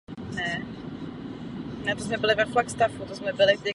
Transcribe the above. Na skřipec jsa brán, zanechá nám zlostí soptě hrubou svoji rukavici.